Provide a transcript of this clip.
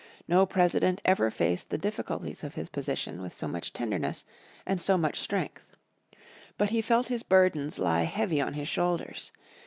No President ever faced the difficulties of his position with so much tenderness, and so much strength. But he felt his burdens lie heavy on his shoulders.